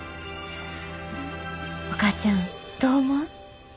お母ちゃんどう思う？